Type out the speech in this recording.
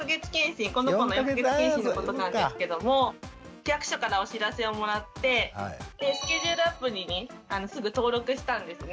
この子の４か月健診のことなんですけども区役所からお知らせをもらってスケジュールアプリにすぐ登録したんですね。